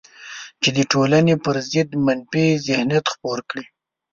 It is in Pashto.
چې د ټولنې پر ضد منفي ذهنیت خپور کړي